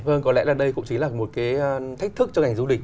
vâng có lẽ là đây cũng chính là một cái thách thức cho ngành du lịch